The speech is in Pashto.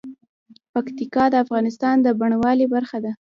پکتیکا د افغانستان د بڼوالۍ برخه ده.